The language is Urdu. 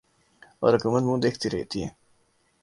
اور حکومت منہ دیکھتی رہتی ہے